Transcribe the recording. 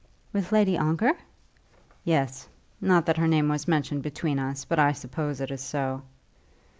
"With Lady Ongar?" "Yes; not that her name was mentioned between us, but I suppose it is so."